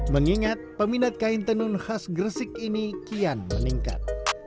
mengingat peminat kain tenun khas gresik ini kian meningkat